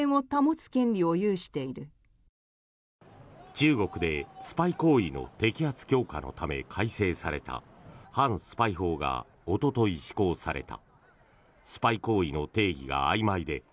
中国でスパイ行為の摘発強化のため改正された反スパイ法がおととい、施行された。